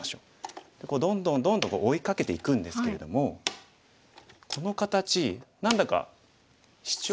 どんどんどんどん追いかけていくんですけれどもこの形何だかシチョウ。